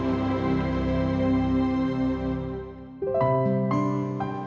aku bisa juga jadi cuti